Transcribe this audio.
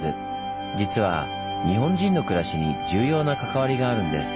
実は日本人の暮らしに重要な関わりがあるんです。